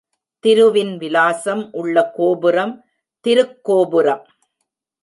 திருவின் விலாசம் உள்ள கோபுரம், திருக்கோபுரம்.